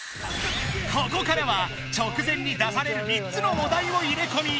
ここからは直前に出される３つのお題を入れ込み